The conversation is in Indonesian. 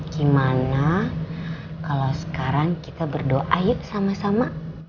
gimana kalau sekarang kita berdoa yuk sama sama